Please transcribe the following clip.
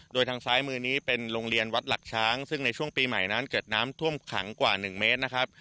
โดยทางซ้ายมือนี้เป็นโรงเรียนวัดหลักช้างซึ่งในช่วงปีใหม่นั้นเกิดน้ำท่วมขังกว่า๑เมตรนะครับ